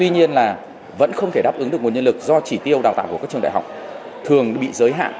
tuy nhiên là vẫn không thể đáp ứng được nguồn nhân lực do chỉ tiêu đào tạo của các trường đại học thường bị giới hạn